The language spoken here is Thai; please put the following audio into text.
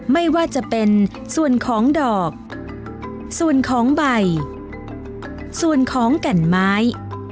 ไม่ว่าจะเป็นส่วนของดอกส่วนของใบส่วนของแก่นไม้